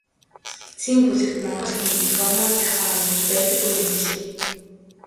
Эцсийн бүлэгт Монгол хүнд эх орноос сайхан орон гэж байдаггүй юм билээ.